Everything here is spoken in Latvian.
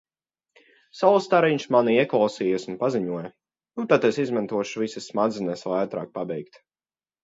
Saulstariņš manī ieklausījās un paziņoja:" Nu tad es izmantošu visas smadzenes, lai ātrāk pabeigtu."